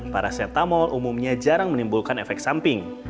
paracetamol umumnya jarang menimbulkan efek samping